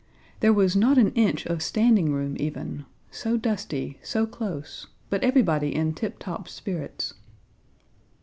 There was not an inch of standing room even; so dusty, so close, but everybody in tip top spirits.